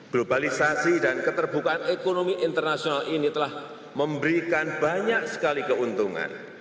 globalisasi dan keterbukaan ekonomi internasional ini telah memberikan banyak sekali keuntungan